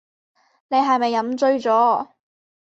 你係咪飲醉咗